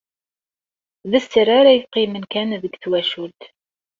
D sser ara yeqqimen kan deg twacult.